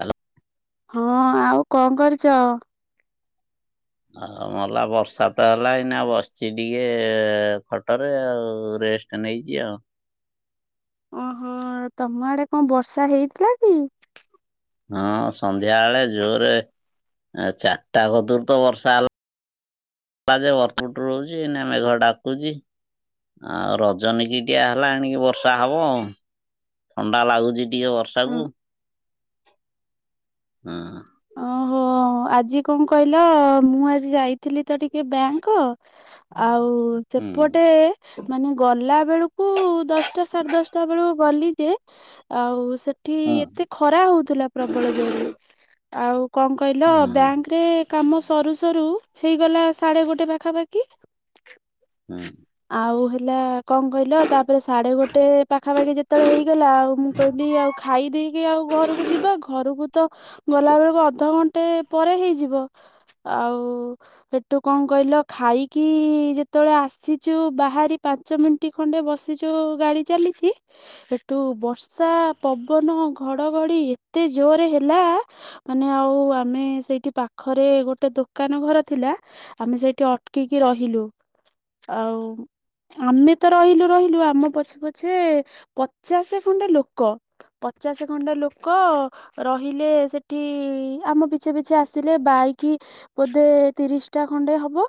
Hello. ହଁ ଆଉ କଣ କରୁଚ। ଆଉ ମଲା ବର୍ଷାତ ହେଲା ଏଇନାତ ବସିଛି ଟିକିଏ ଖଟରେ ଆଉ ରେଷ୍ଟ। ନେଇଚି ଆଉ। ଓହୋ ତମ ଆଡେ କଣ ବର୍ଷା ହେଇଥିଲାକି? ହଁ ସନ୍ଧ୍ୟାବେଳେ ଜୋରେ ଚାରିଟା କତୁରୁତ ବର୍ଷା ହେଲା। [unintelligible] ଆଉ ରଜନୀ କି ଟିଆ ହେଲା ଆଣିକି ବର୍ଷା ହବ ଆଉ ଥଣ୍ଡା ଲାଗୁଚି। ଟିକେ ବର୍ଷାକୁ ହଁ। ଓହୋ ଆଜି କଣ କହିଲ ମୁଁ ଆଜି ଯାଇଥିଲି ତ ଟିକେ ବ୍ୟାଙ୍କ୍ ଆଉ ହୁଁ ସେପଟେ ମାନେ ଗଲା ବେଳକୁ ଦଶଟା ସାଢେ ଦଶଟା ବେଳକୁ ଗଲି ଯେ ଆଉ ସେଠି ହୁଁ ଏତେ ଖରା ହଉଥିଲା ପ୍ରବଳ ଜୋରରେ। ଆଉ କଣ କହିଲ ହୁଁ ବ୍ୟାଙ୍କ୍ କାମ ସରୁ ସରୁ ହେଇଗଲା ସାଢେ ଗୋଟେ ପାଖାପାଖି ହୁଁ ଆଉ ହେଲା କଣ କହିଲ ତାପରେ ସାଢେ ଗୋଟେ ପାଖାପାଖି ଯେତେବେଳେ ହେଇଗଲା ଆଉ ମୁଁ କହିଲି ଆଉ ଖାଇ ଦେଇେକି ଆଉ ଘରୁକୁ ଯିବା ଘରୁକୁ ତ ଗଲା ବେଳକୁ ଅଧ ଘଣ୍ଟେ ପରେ ହେଇଯିବ ଆଉ ହେଟୁ କଣ କହିଲ ଖାଇକି ଯେତେବେଳେ ଆସିଚୁ ବାହାରି ପା ପାଞ୍ଚ ମିନିଟ୍ ଖଣ୍ଡେ ବସିଚୁ ଗାଡି ଚାଲିଚି ସେଠୁ ବର୍ଷା ପବନ ଘଡଘଡ଼ି ଏତେ ଜୋର ହେଲା ମାନେ ଆଉ ଆମେ ସେଇଠି ପାଖରେ ଗୋଟେ ଦୋକାନ ଘର ଥିଲା। ଆମେ ସେଇଠି ଅଟକିକି ରହିଲୁ ଆଉ ଆମେ ତ ରହିଲୁ ରହିଲୁ ଆମ ପଛେ ପଛେ ପଚାଶେ ଖଣ୍ଡେ ଲୋକ ପଚାଶେ ଖଣ୍ଡ ଲୋକ ରହିଲେ ସେ ଟି ଆମ ପିଛେ ପିଛେ ଆସିଲେ ବାଇକି ବୋଧେ ତିରିଶି ଟା ଖଣ୍ଡେ ହବ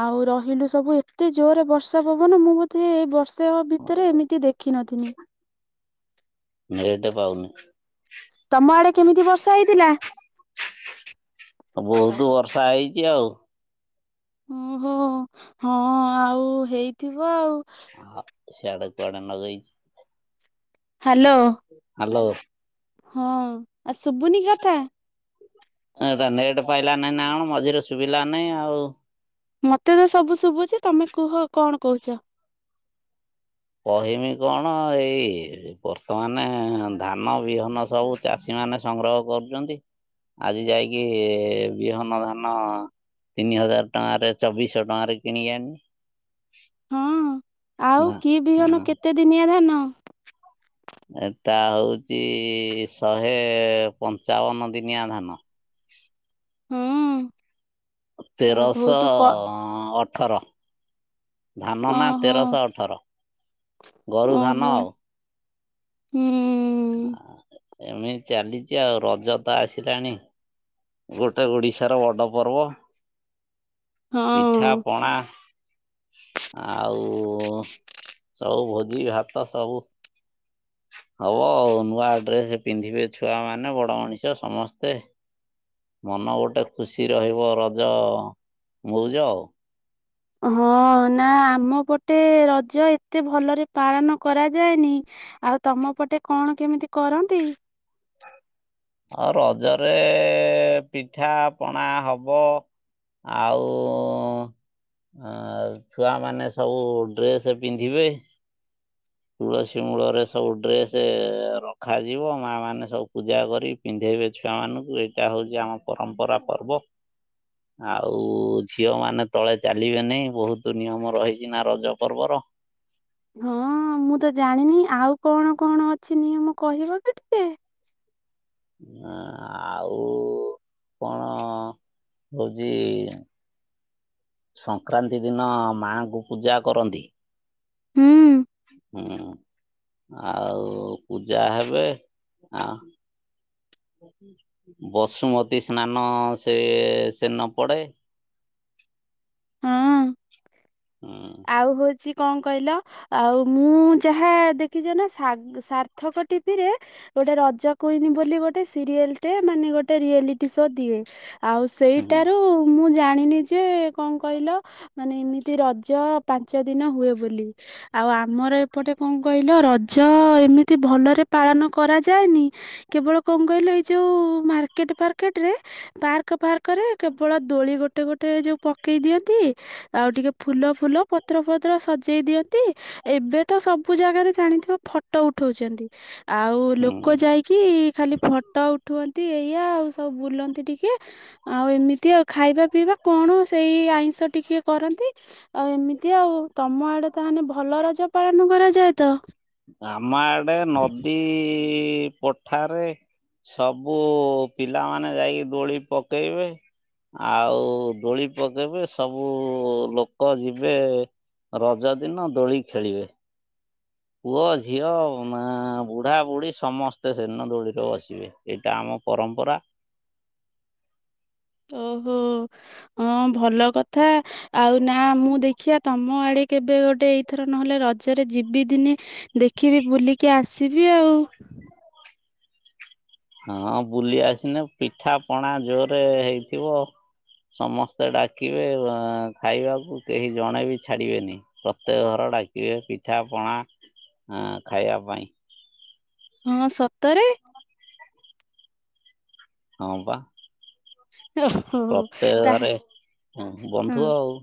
ଆଉ ରହିଲୁ ସବୁ ଏତେ ଜୋରରେ ବର୍ଷା ପବନ ମୁଁ ବୋତେ ଏଇ ବର୍ଷା ଭିତରେ ଏମିତି ଦେଖିନଥିନି। ନେଟ୍ ପାଉନି। ତମ ଆଡେ କେମିତି ବର୍ଷା ହେଇଥିଲା। ବହୁତୁ ବର୍ଷା ହେଇଚି ଆଉ। ଓହୋ ହଁ ଆଉ ହେଇଥିବ ଆଉ। ସିଆଡେ କୁଆଡେ ଲଗେଇଚି ହ୍ୟାଲୋ ହାଲୋ ହଁ ଆଉ ଶୁବୁନି କଥା। ଏଟା ନେଟ୍ ପାଇଲା ନାଇଁ ନାଁ କଣ ମଝିରେ ସୁବିଲା ନାହିଁ ଆଉ। ମତେ ତ ସବୁ ଶୁଭୁଚି ତମେ କୁହ କଣ କହୁଚ। କହିମି କଣ ଏଇ ବର୍ତ୍ତମାନ ଧାନ ବିହନ ସବୁ ଚାଷୀ ମାନେ ସଂଗ୍ରହ କରୁଚନ୍ତି ଆଜି ଯାଇକି ବିହନ ଧାନ ତିନି ହଜାର ଟଙ୍କାରେ ଚବିଶହ ଟଙ୍କାରେ କିଣିକି ଆଣିଲି। ହଁ ଆଉ କି ବିହନ କେତେ ଦିନିଆ ଧାନ। ଏଟା ହଉଚି ଶହେ ପଞ୍ଚାବନ ଦିନିଆ ଧାନ। ହୁଁ ଆ ବହୁତ କ ତେରଶହ ଅଠର। ଧାନ ନାଁ ଓହୋ ତେରଶହ ଅଠର ଗୋରୁ ଧାନ ଓହୋ ଆଉ। ହୁଁ। ଏମିତି ଚାଲିଚି ଆଉ ରଜ ତ ଆସିଲାଣି। ଗୋଟେ ଓଡିଶାର ବଡ ପର୍ବ। ହଁ ପିଠାପଣା ଆଉ ସବୁ ଭୋଜି ଭାତ ସବୁ ହବ ନୂଆ ଡ୍ରେସ୍ ପିନ୍ଧିବେ ଛୁଆ ମାନେ ବଡ ମଣିଷ ସମସ୍ତେ। ମନ ଗୋଟେ ଖୁସି ରହିବ ରଜ ମଉଜ ଆଉ। ହଁ ନାଁ ଆମ ପଟେ ରଜ ଏତେ ଭଲରେ ପାଳନ କରାଯାଏନି। ଆଉ ତମ ପଟେ କଣ କେମିତି କରନ୍ତି? ଆଉ ରଜରେ ପିଠା ପଣା ହବ। ଆଉ ଆ ଛୁଆମାନେ ସବୁ ଡ୍ରେସ ପିନ୍ଧିବେ। ତୁଳସୀ ମୂଳରେ ସବୁ ଡ୍ରେସ ରଖାଯିବ ମା ମାନେ ସବୁ ପୂଜା କରି ପିନ୍ଧେଇବେ ଛୁଆ ମାନଙ୍କୁ। ଏଇଟା ହଉଛି ଆମ ପରମ୍ପରା ପର୍ବ। ଆଉ ଝିଅ ମାନେ ତଳେ ଚାଲିବେନି। ବହୁତ ନିୟମ ରହିଛି ନା ରଜ ପର୍ବର। ହଁ ମୁଁ ତ ଜାଣିନି ଆଉ କଣ କଣ ଅଛି ନିୟମ କହିବ କି ଟିକେ? ହଁ ଆଉ କଣ? ହଉଛି ସଂକ୍ରାନ୍ତି ଦିନ ମାଙ୍କୁ ପୂଜା କରନ୍ତି। ହୁଁ। ହୁଁ ଆଉ ପୂଜା ହେବେ ଆ [inaudible] ବସୁମତୀ ସ୍ନାନ ସେ ସେ ନ ପଡ଼େ। ହଁ। ହୁଁ। ଆଉ ହଉଛି କଣ କହିଲ? ଆଉ ମୁଁ ଯାହା ଦେଖିଛ ନା ସାର୍ଥକ ଟିଭିିରେ ଗୋଟେ ରଜ କୁଇନି ବୋଲି ଗୋଟେ ସିରିଏଲ ଟେ ମାନେ ଗୋଟେ ରିଆଲିଟି ସୋ ଦିଏ। ଆଉ ସ ହୁଁ ସେଇଟାରୁ ମୁଁ ଜାଣିନି ଯେ କଣ କହିଲ ମାନେ ଏମିତି ର ରଜ ପାଞ୍ଚ ଦିନ ହୁଏ ବୋଲି। ଆଉ ଆମର ଏପଟେ କଣ କହିଲ ରଜ ଏମିତି ଭଲରେ ପାଳନ କରାଯାଏନି। କେବଳ କଣ କହିଲ ଏଇ ଯୋଉ ମାର୍କେଟ ଫାର୍କେଟ ରେ ପାର୍କ ଫାର୍କ ରେ କେବଳ ଦୋଳି ଗୋଟେ ଗୋଟେ ଯୋଉ ପକେଇ ଦିଅନ୍ତି। ଆଉ ଟିକେ ଫୁଲ ଫୁଲ ପତ୍ର ଫତ୍ର ସଜେଇ ଦିଅନ୍ତି। ଏବେ ତ ସବୁ ଜାଗାରେ ଜାଣିଥିବ ଫଟୋ ଉଠଉଛନ୍ତି। ଆଉ ଲୋକ ହୁଁ ଯାଇକି କି ଖାଲି ଫଟୋ ଉଠନ୍ତି ଏଇଆ ଆଉ ସବୁ ବୁଲନ୍ତି ଟିକେ। ଆଉ ଏମିତି ଆଉ ଖାଇବା ପିଇବା କଣ ସେଇ ଆଇଁଷ ଟିକେ କରନ୍ତି। ଆଉ ଏମିତି ଆଉ ତମ ଆଡ଼େ ତାହାନେ ଭଲ ରଜ ପାଳନ କରାଯାଏ ତ। ଆମ ଆଡ଼େ ନଦୀ ପ ଠାରେ ସବୁ ପିଲାମାନେ ଯାଇକି ଦୋଳି ପକେଇବେ। ଆଉ ଦୋଳି ପକେଇବେ ସବୁ ଲୋକ ଯିବେ। ରଜ ଦିନ ଦୋଳି ଖେଳିବେ। ପୁଅ, ଝିଅ, ମା, ବୁଢ଼ା, ବୁଢ଼ୀ ସମସ୍ତେ ସେଦିନ ଦୋଳିରେ ବସିବେ। ଏଇଟା ଆମ ପରମ୍ପରା। ଓହୋ [inaudible] ହଁ ଭଲ କଥା। ଆଉ ନା ମୁଁ ଦେଖିବା ତମ ଆଡ଼େ କେବେ ଗୋଟେ ଏଇଥର ନହେଲେ ରଜରେ ଯିବି ଦିନେ ଦେଖିବି ବୁଲିକି ଆସିବି ଆଉ। ହଁ ବୁଲି ଆସିନା ପିଠା ପଣା ଜୋରେ ହେଇଥିବ। ସମସ୍ତେ ଡାକିବେ ଖାଇବାକୁ କେହି ଜଣେ ବି ଛାଡ଼ିବେନି। ପ୍ରତ୍ୟେକ ଘର ଡାକିବେ ପିଠା ପଣା ଖାଇବା ପାଇଁ। ହଁ ସତରେ! ହଁ ପା। [inaudible] ପ୍ରତ୍ୟେକ ତାହା ଘରେ ହଁ ବନ୍ଧୁ ଆଉ।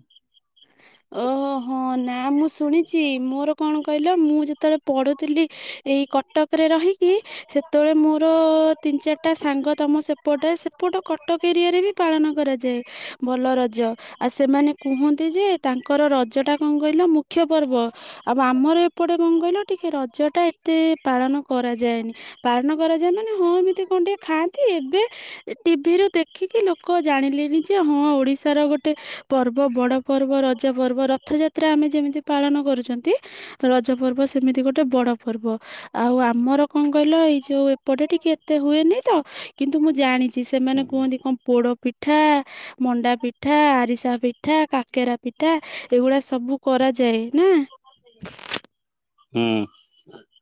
ଓହୋ ନା ମୁଁ ଶୁଣିଛି ମୋର କଣ କହିଲ, ମୁଁ ଯେତେବେଳେ ପଢୁଥିଲି ଏଇ କଟକରେ ରହିକି ସେତେବେଳେ ମୋର ତିନି ଚାରିଟା ସାଙ୍ଗ ତମ ସେପଟେ ସେପଟ କଟକ ଏରିଆରେ ବି ପାଳନ କରାଯାଏ ଭଲ ରଜ। ଆ ସେମାନେ କୁହନ୍ତି ଯେ ତାଙ୍କର ରଜଟା କଣ କହିଲ ମୁଖ୍ୟ ପର୍ବ। ଆଉ ଆମର ଏପଟେ କଣ କହିଲ ଟିକେ ରଜଟା ଏତେ ପାଳନ କରାଯାଏନି। ପାଳନ କରାଯାଏ ମାନେ ହଁ ଏମିତି କଣ ଟିକେ ଖାଆନ୍ତି ଏବେ ଟିଭିରୁ ଦେଖିକି ଲୋକ ଜାଣିଲେନି ଯେ ହଁ ଓଡି଼ଶାର ଗୋଟେ ପର୍ବ ବଡ଼ ପର୍ବ ରଜ ପର୍ବ ରଥଯାତ୍ରା ଆମେ ଯେମିତି ପାଳନ କରୁଛନ୍ତି। ରଜ ପର୍ବ ସେମିତି ଗୋଟେ ବଡ଼ ପର୍ବ। ଆଉ ଆମର କଣ କଇଲ ଏଇ ଯୋଉ ଏପଟେ ଟିକେ ଏତେ ହୁଏନି ତ କିନ୍ତୁ ମୁଁ ଜାଣିଚି ସେମାନେ କୁଅନ୍ତି କଣ ପୋଡ଼ ପିଠା ମଣ୍ଡା ପିଠା, ଆରିସା ପିଠା, କା କେରା ପିଠା ଏଗୁଡ଼ା ସବୁ କରାଯାଏ ନା। ହୁଁ।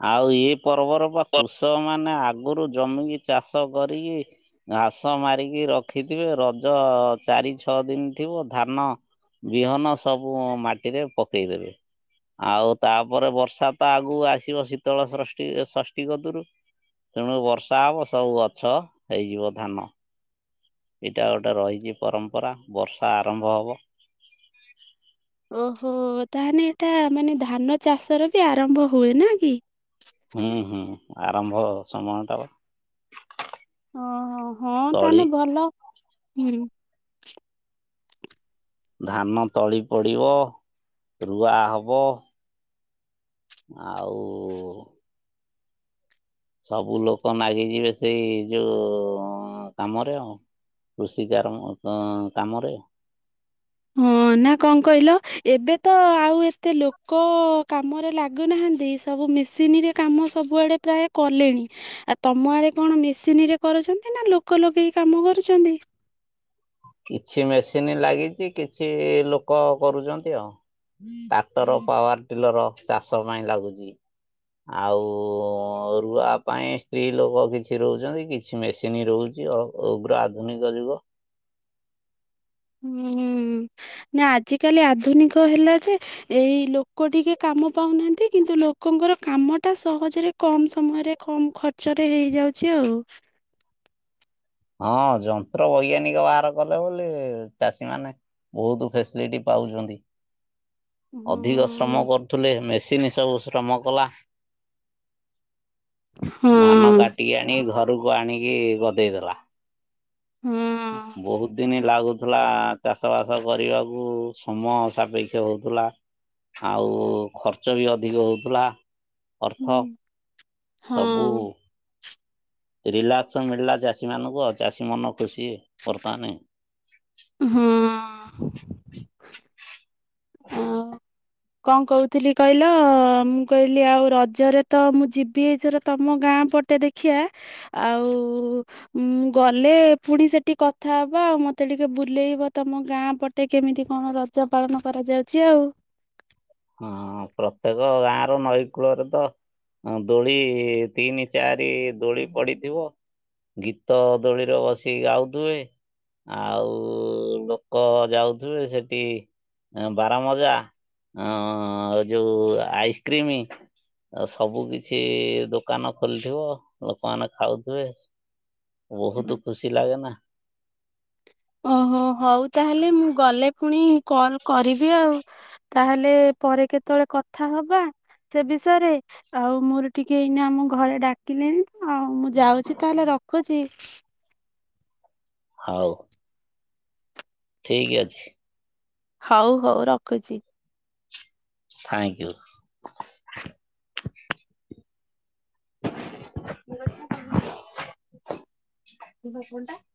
ଆଉ ଇଏ ପର୍ବର ପା କୃଷକ ମାନେ ଆଗରୁ ଜମିକି ଚାଷ କରିକି ଘାସ ମାରିକି ରଖିଥିବେ ରଜ ଚାରି ଛ ଦିନ ଥିବ ଧାନ ବିହନ ସବୁ ମାଟିରେ ପକେଇଦେବେ। ଆଉ ତାପରେ ବର୍ଷା ତା ଆଗକୁ ଆସିବ ଶୀତଳ ଶ୍ରଷ୍ଠୀ ଷଷ୍ଠୀ କଦରୁ ତେଣୁ ବର୍ଷା ହବ ସବୁ ଗଛ ହେଇଯିବ ଧାନ। ଏଇଟା ଗୋଟେ ରହିଚି ପରମ୍ପରା ବର୍ଷା ଆରମ୍ବ ହବ। ଓହୋ ତାହେନେ ଏଟା ମାନେ ଧାନ ଚାଷର ବି ଆରମ୍ଭ ହୁଏ ନା କି? ହୁଁ ହୁଁ ଆରମ୍ଭ ସମୟ ଟା ବା। ଓହୋ ହଁ ତଳି ତାନେ ଭଲ ହୁଁ। ଧାନ ତଳି ପଡ଼ିବ, ରୁଆ ହବ। ଆଉ ସବୁ ଲୋକ ନାଗିଯିବେ ସେଇ ଯୋଉ କାମରେ ଆଉ କୃଷି କାର୍ମ ଅ କାମରେ। ହଁ ନାଁ କଣ କଇଲ ଏବେ ତ ଆଉ ଏତେ ଲୋକ କାମରେ ଲାଗୁନାହାନ୍ତି। ସବୁ ମିସିନିରେ କାମ ସବୁଆଡ଼େ ପ୍ରାୟ କଲେଣି। ଆ ତମ ଆଡ଼େ କଣ ମେସିନିରେ କରୁଛନ୍ତି ନା ଲୋକ ଲଗେଇ କାମ କରୁଛନ୍ତି। କିଛି ମେସିନି ଲାଗିଚି କିଛି ଲୋକ କରୁଚନ୍ତି ଆଉ। ଟ୍ରାକ୍ଟର, ପାୱାର ଟ୍ରିଲୋର ଚାଷ ପାଇଁ ଲାଗୁଚି। ଆଉ ରୁଆ ପାଇଁ ସ୍ତ୍ରୀ ଲୋକ କିଛି ରୋଉଚନ୍ତି କିଛି ମେସିନି ରୋଉଚି ଆଉ। ଉଗ୍ର ଆଧୁନିକ ଯୁଗ। ହୁଁ ନାଁ ଆଜିକାଲି ଆଧୁନିକ ହେଲା ଯେ ଏଇ ଲୋକ ଟିକେ କାମ ପାଉନାହାନ୍ତି କିନ୍ତୁ ଲୋକଙ୍କର କାମଟା ସହଜରେ କମ୍ ସମୟରେ କମ୍ ଖର୍ଚ୍ଚରେ ହେଇଯାଉଚି ଆଉ। ହଁ ଯନ୍ତ୍ର ବୈଜ୍ଞାନିକ ବାହାର କଲେ ବୋଲି ଚାଷୀ ମାନେ ବୋହୁତ ଫେସ୍ଲେଟି ପାଉଛନ୍ତି। ହଁ ଅଧିକ ଶ୍ରମ କରୁଥିଲେ ମେସିନ୍ ସବୁ ଶ୍ରମ କଲା। ଧାନ ହଁ କାଟିକି ଆଣି ଘରକୁ ଆଣିକି ଗଦେଇଦେଲା। ବହୁତ୍ ଦିନି ଲାଗୁଥିଲା ଚାଷ ବାସ କରିବାକୁ। ସମୟ ସାପେକ୍ଷ ହଉଥିଲା ଆଉ ଖର୍ଚ୍ଚ ବି ଅଧିକ ହଉଥିଲା। ହଁ ଅର୍ଥ ସବୁ ହଁ। ରିଲାକ୍ସ ମିଳିଲା ଚାଷୀ ମାନଙ୍କୁ ଆଉ ଚାଷୀ ମନ ଖୁସି ବର୍ତ୍ତମାନେ। ହୁଁ। [inaudible] କଁ କଉଥିଲି କଇଲ ମୁଁ କଇଲି ଆଉ ରଜରେ ତ ମୁଁ ଜିବି ଏଥର ତମ ଗାଁ ପଟେ ଦେଖ୍ ଖିଆ ଆଉ ଉଁ ଗଲେ ପୁଣି ସେଠି କଥାହବା ଆଉ ମତେ ଟିକେ ବୁଲେଇବ ତମ ଗାଁ ପଟ୍ ଟେ କେମିତି କଣ ରଜ ପାଳନ କରାଯାଉଚି ଆଉ। ଅଁ ପ୍ରତେକ ଗାଁର ନଈ କୂଳରେ ତ ଅଁ ଦୋଳି ତିନି ଚାରି ଦୋଳି ପଡ଼ିଥିବ। ଗୀତ ଦୋଳିରେ ବସିକି ଗାଉଥୁବେ। ଆଉ ଲୋକ ଯାଉଥିବେ ସେଟି ଏଁ ବାରାମଜା ଅଁ ଏ ଯୋଉ ଆଇସ୍କ୍ରିମ ଆ ସବୁ କିଛି ଦୋକାନ ଖୋଲିଥିବ ଲୋକମାନେ ଖାଉଥିବେ। ବହୁତ ଖୁସି ଲାଗେ ନା। ଓହୋ ହଉ ତାହେଲେ ମୁଁ ଗଲେ ପୁଣି କଲ କରିବି ଆଉ। ତାହେଲେ ପରେ କେତେବେଳେ କଥା ହବା ସେ ବିଷୟରେ। ଆଉ ମୋର ଟିକେ ଏଇନା ଆମ ଘରେ ଡାକିଲେଣି ଆଉ ମୁଁ ଯାଉଛି ତାହେଲେ ରଖୁଛି। ହଉ। ଠିକ୍ ଅଛି। ହଉ ହଉ ରଖୁଛି। Thank you. SUM [inaudible] Diba କୁହଟା [inaudible]